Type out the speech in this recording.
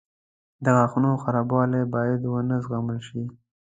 • د غاښونو خرابوالی باید ونه زغمل شي.